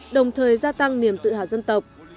đồng thời gia tăng niềm tự hào dân tộc